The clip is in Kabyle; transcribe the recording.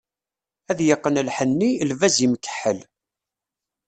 Ad yeqqen lḥenni, lbaz imkeḥḥel.